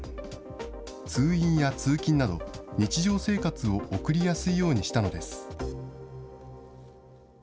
通院や通勤など、日常生活を送りやすいようにしたのです。